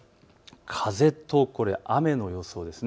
風と雨の予想です。